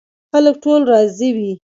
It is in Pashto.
خلک ټول راضي وي.